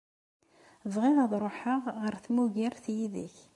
Bɣiɣ ad ṛuḥeɣ ɣer tmugert yid-k.